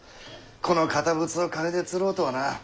この堅物を金で釣ろうとはな。